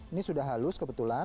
ini sudah halus kebetulan